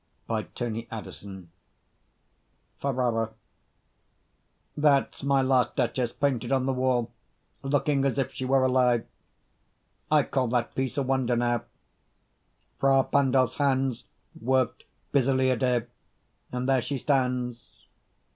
MY LAST DUCHESS Ferrara That's my last Duchess painted on the wall, Looking as if she were alive. I call That piece a wonder, now: Fra Pandolf's hands Worked busily a day, and there she stands.